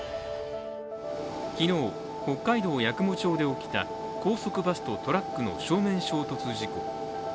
昨日、北海道八雲町で起きた高速バスとトラックの正面衝突事故。